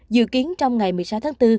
dự kiến trong ngày một mươi sáu tháng bốn